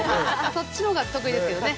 そっちの方が得意ですけどね